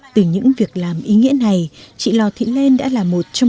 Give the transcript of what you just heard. từ những việc làm ý nghĩa này chị lò thị lên đã là một trong